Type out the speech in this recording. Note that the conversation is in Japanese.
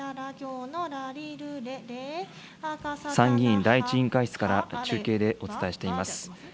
参議院第１委員会室から中継でお伝えしています。